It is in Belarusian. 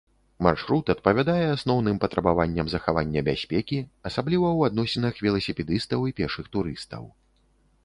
Маршрут адпавядае асноўным патрабаванням захавання бяспекі, асабліва ў адносінах веласіпедыстаў і пешых турыстаў.